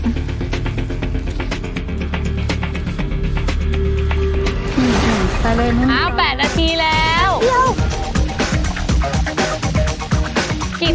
ครับไปเลยนะครับแปดนาทีแล้วอย่าเกลียว